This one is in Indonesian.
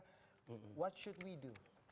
apa yang harus kita lakukan